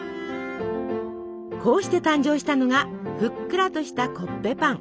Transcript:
こうして誕生したのがふっくらとした「コッペパン」。